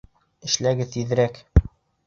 Эшләгеҙ тиҙерәк!